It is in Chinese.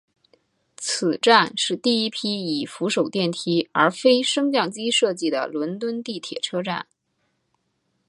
此站是第一批以扶手电梯而非升降机设计的伦敦地铁车站。